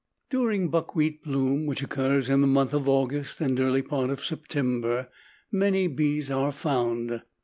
During buckwheat bloom, which occurs in the month of August and early part of September, many bees are found.